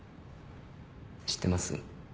知ってます？